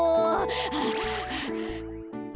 はあはあ。